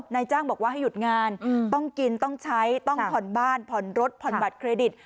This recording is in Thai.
นายจ้างบอกว่าให้หยุดงานต้องกินต้องใช้ต้องผ่อนบ้านผ่อนรถผ่อนบัตรเครดิต